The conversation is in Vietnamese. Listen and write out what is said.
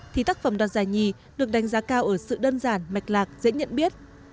thì tác phẩm đoạt giải nhì được đánh giá cao ở sự đơn giản mạch lạc dễ nhận biết